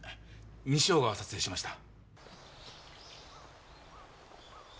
西尾が撮影しました。